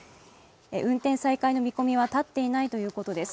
運転再開の見込みは立っていないということです。